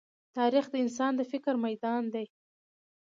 تاریخ د انسان د فکر ميدان دی.